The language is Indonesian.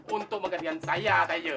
untuk bagian saya taja